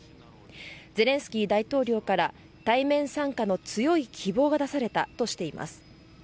ゼレンスキー大統領から対面参加の強い希望が出されたとしています。